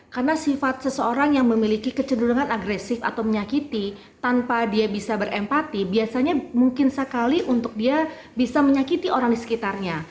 karena sifat seseorang yang memiliki kecederungan agresif atau menyakiti tanpa dia bisa berempati biasanya mungkin sekali untuk dia bisa menyakiti orang di sekitarnya